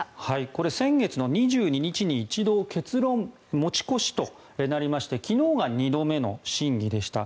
これは先月の２２日に一度、結論持ち越しとなりまして昨日が２度目の審議でした。